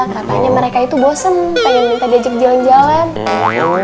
katanya mereka itu bosen pengen minta diajak jalan jalan